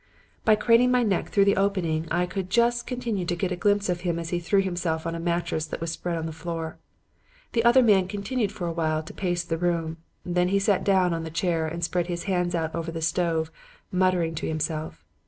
"By craning my neck through the opening I could just continue to get a glimpse of him as he threw himself on a mattress that was spread on the floor. The other man continued for a while to pace the room; then he sat down on the chair and spread his hands out over the stove, muttering to himself.